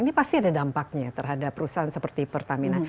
ini pasti ada dampaknya terhadap perusahaan seperti pertamina